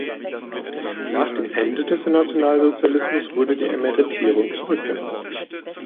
Nach dem Ende des Nationalsozialismus wurde die Emeritierung zurückgenommen.